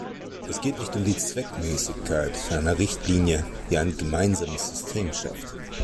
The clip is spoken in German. Es geht nicht um die Zweckmäßigkeit einer Richtlinie, die ein gemeinsames System schafft.